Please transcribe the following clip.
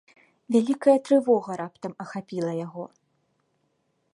Вялікая трывога раптам ахапіла яго.